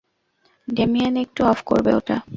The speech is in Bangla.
ডেমিয়েন, একটু অফ করবে ওটা?